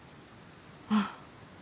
ああ。